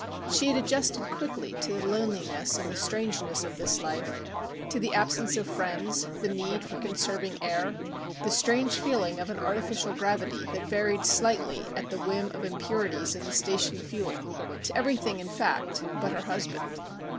She had adjusted quickly to the loneliness and the strangeness of this life to the absence of friends, the need for conserving air, the strange feeling of an artificial gravity that varied slightly at the whim of impurities in the station fuel. To everything, in fact, but her husband.